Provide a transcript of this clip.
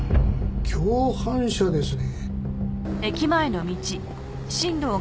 共犯者ですね。